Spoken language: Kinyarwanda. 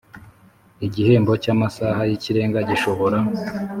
Igihembo cy amasaha y ikirenga gishobora